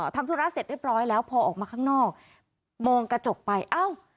ทำธุระเสร็จเรียบร้อยแล้วพอออกมาข้างนอกมองกระจกไปเอ้า